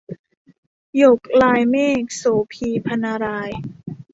หยกลายเมฆ - โสภี พรรณราย